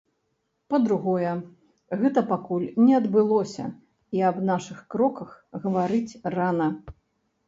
Па-другое, гэтага пакуль не адбылося і аб нашых кроках гаварыць рана.